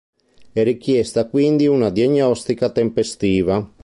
È richiesta quindi una diagnostica tempestiva.